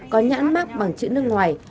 có nhãn mắc bằng chữ nước ngoài